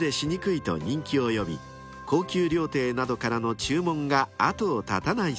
［高級料亭などからの注文が後を絶たないそうです］